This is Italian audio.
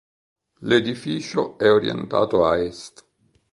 L'edificio è orientato a est.